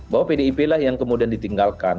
bahwa pdip lah yang kemudian ditinggalkan